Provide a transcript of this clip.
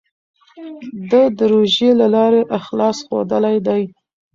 ده د روژې له لارې اخلاص ښودلی دی.